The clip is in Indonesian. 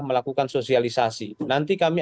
melakukan sosialisasi nanti kami